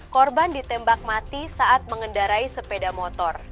korban ditembak mati saat mengendarai sepeda motor